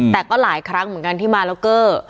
แต่ก็หลายครั้งเหมือนกันที่มาแล้วเกอร์